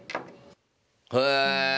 へえ！